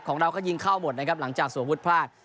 ของเราก็ยิงเข้าหมดนะครับหลังจากสวนวุฒิพลาด